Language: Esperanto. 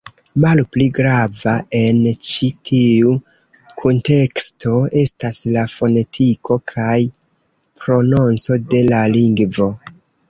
Malpli grava en ĉi tiu kunteksto estas la fonetiko kaj prononco de la lingvo.